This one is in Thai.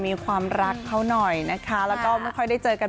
รูปมันสวยดีรูปนี้ดีจัง